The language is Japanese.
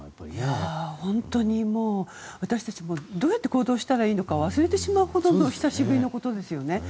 本当に私たちもどうやって行動したらいいのか忘れてしまうほどの久しぶりのことですよね。